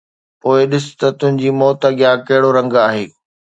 پوءِ ڏس ته تنهنجي موت اڳيان ڪهڙو رنگ آهي